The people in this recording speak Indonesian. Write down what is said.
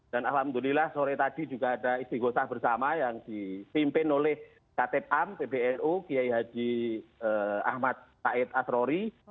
dan alhamdulillah sore tadi juga ada istighfah bersama yang dipimpin oleh ktam pbnu kiai haji ahmad ta'id asrori